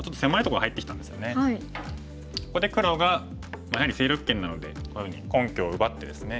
ここで黒がやはり勢力圏なのでこういうふうに根拠を奪ってですね。